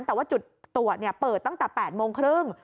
แต่ว่าจุดตรวจเปิดตั้งแต่๘โมงครึ่ง